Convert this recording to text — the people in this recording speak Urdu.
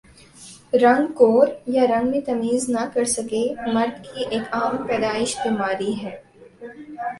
رنگ کور یا رنگ میں تمیز نہ کر سکہ مرد کی ایک عام پیدائش بیماری ہے